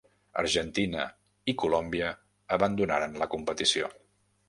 Argentina, i Colòmbia abandonaren la competició.